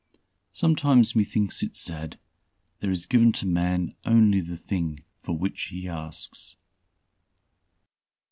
Sometimes methinks it sad, there is given to man only the thing for which he asks.